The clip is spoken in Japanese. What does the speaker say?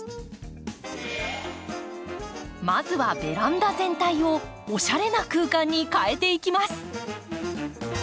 まずはベランダ全体をおしゃれな空間に変えていきます。